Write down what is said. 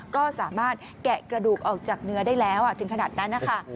ก็สามารถแกะกระดูกออกจากเนื้อได้แล้วถึงขนาดนั้นนะคะ